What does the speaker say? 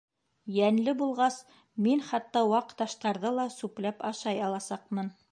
Йәнле булғас, мин хатта ваҡ таштарҙы ла сүпләп ашай аласаҡмын.